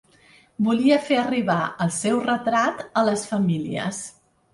Volia fer arribar el seu retrat a les famílies.